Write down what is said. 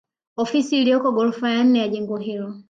Ofisi iliyoko ghorofa ya nne ya jengo hilo